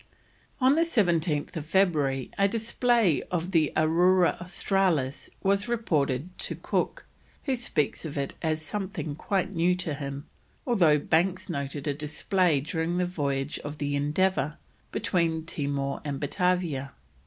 On 17th February a display of the Aurora Australis was reported to Cook, who speaks of it as something quite new to him, although Banks noted a display during the voyage of the Endeavour between Timor and Batavia.